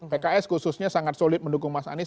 pks khususnya sangat solid mendukung mas anies